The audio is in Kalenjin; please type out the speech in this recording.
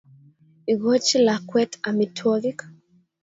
Igochi lakwet amitwogik.